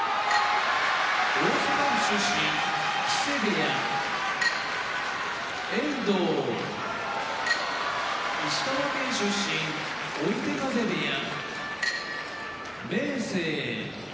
大阪府出身木瀬部屋遠藤石川県出身追手風部屋明生